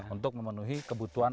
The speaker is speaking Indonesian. untuk memenuhi kebutuhan